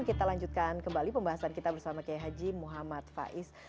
kita lanjutkan kembali pembahasan kita bersama kiai haji muhammad faiz